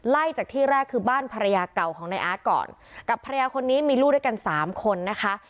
ไล่จากที่แรกคือบ้านภรรยาเก่าของนายอาร์ตก่อนกับภรรยาคนนี้มีลูกด้วยกันสามคนนะคะ